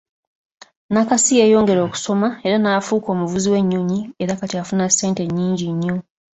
Nakasi yeyongera okusoma era naafuka omuvuzi w’ennyonnyi era kati afuna ssente nnyingi nnyo.